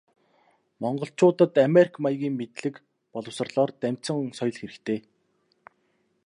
Монголчуудад америк маягийн мэдлэг боловсролоор дамжсан соёл хэрэгтэй.